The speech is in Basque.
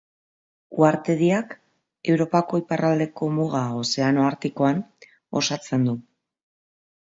Uhartediak Europako iparraldeko muga Ozeano Artikoan osatzen du.